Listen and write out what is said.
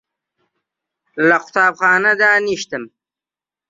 لە قوتابخانە دانیشتم